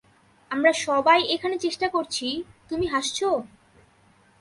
আমরা সবাই এখানে চেষ্টা করছি, তুমি হাসছো।